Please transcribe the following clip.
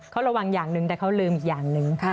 เขาระวังอย่างหนึ่งแต่เขาลืมอีกอย่างหนึ่ง